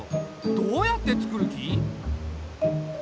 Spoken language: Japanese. どうやってつくる気？